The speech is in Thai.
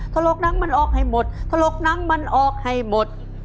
ถลกหนังมันออกให้หมดถลกหนังมันออกให้หมด